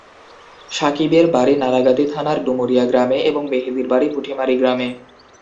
সাকিবের বাড়ি নড়াগাতি থানার ডুমুরিয়া গ্রামে এবং মেহেদীর বাড়ি পুঠিমারি গ্রামে।